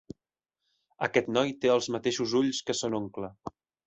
Aquest noi té els mateixos ulls que son oncle.